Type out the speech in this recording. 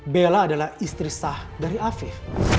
bella adalah istri sah dari afif